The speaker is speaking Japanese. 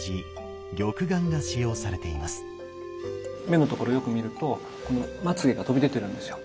目のところよく見るとまつげが飛び出てるんですよ。